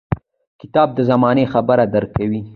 • کتاب د زمانې خبرې درکوي.